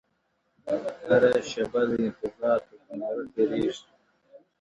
هره شېبه د انتظار پر تناره تېرېږي!